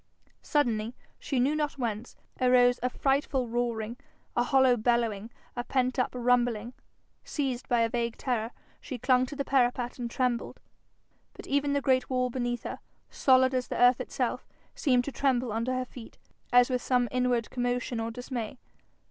Suddenly, she knew not whence, arose a frightful roaring, a hollow bellowing, a pent up rumbling. Seized by a vague terror, she clung to the parapet and trembled. But even the great wall beneath her, solid as the earth itself, seemed to tremble under her feet, as with some inward commotion or dismay.